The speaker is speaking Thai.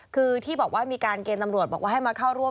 คือที่บอกว่ามีการเกณฑ์ตำรวจบอกว่าให้มาเข้าร่วม